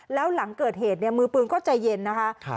แล้วหลังเกิดเหตุเนี่ยมือปืนก็ใจเย็นนะคะ